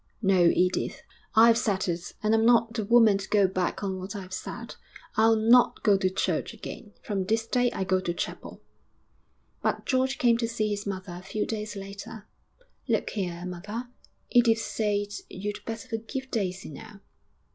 No, Edith, I've said it, and I'm not the woman to go back on what I've said I'll not go to church again. From this day I go to chapel.' But George came to see his mother a few days later. 'Look here, mother, Edith says you'd better forgive Daisy now.'